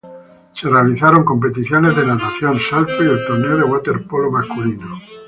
Se realizaron competiciones de natación, saltos y el torneo de waterpolo masculino.